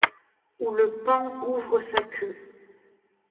Où le paon ouvre sa queue ;